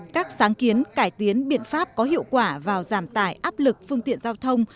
các sáng kiến cải tiến biện pháp có hiệu quả vào giảm tải áp lực phương tiện giao thông